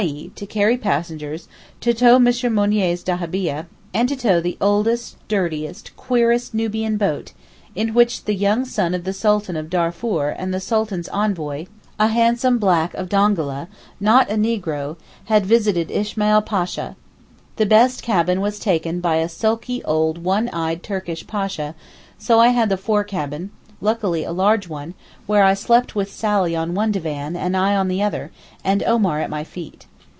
e._, to carry passengers, to tow M. Mounier's dahabieh, and to tow the oldest, dirtiest, queerest Nubian boat, in which the young son of the Sultan of Darfoor and the Sultan's envoy, a handsome black of Dongola (not a negro), had visited Ismail Pasha. The best cabin was taken by a sulky old one eyed Turkish Pasha, so I had the fore cabin, luckily a large one, where I slept with Sally on one divan and I on the other, and Omar at my feet.